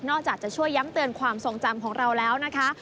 จะช่วยย้ำเตือนความทรงจำของเราแล้วนะคะ